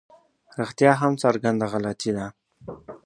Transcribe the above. رښتیا هم څرګنده غلطي ده.